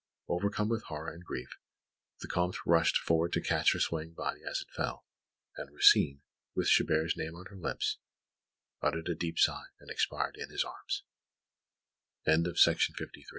Overcome with horror and grief, the Comte rushed forward to catch her swaying body as it fell; and Rosine, with Chabert's name on her lips, uttered a deep sigh and expired in his arm